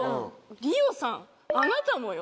莉桜さんあなたもよ。